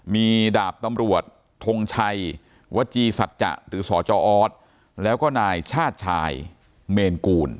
มีดาบตำรวจทงชัยวจีสัจจะหรือสจออสแล้วก็นายชาติชายเมนกูล